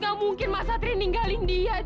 gak mungkin mas satria ninggalin dia jan